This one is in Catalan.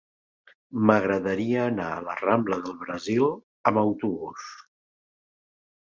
M'agradaria anar a la rambla del Brasil amb autobús.